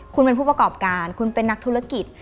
คุณเป็นผู้ประกอบการคุณเป็นนักธุรกิจ